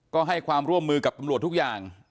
ก็ให้ความร่วมมือกับตำรวจทุกอย่าง